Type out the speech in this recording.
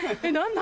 何？